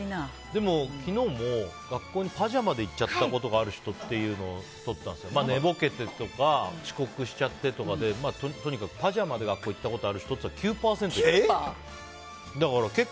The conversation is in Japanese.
でも昨日も学校でパジャマで行っちゃったことがある人ってとったんですけど寝ぼけてとか、遅刻とかでとにかくパジャマで学校に行ったことある人って聞いたら、９％いた。